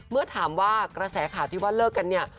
เมื่อถามว่ากระแสข่าวที่ว่าเลิกกันเนี่ย